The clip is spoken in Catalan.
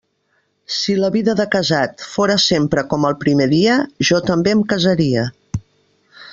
Si la vida de casat fóra sempre com el primer dia, jo també em casaria.